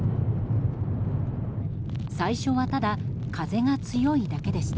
最初はただ風が強いだけでした。